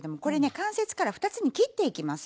関節から２つに切っていきます。